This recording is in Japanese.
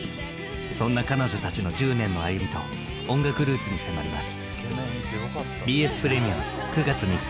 そんな彼女たちの１０年の歩みと音楽ルーツに迫ります。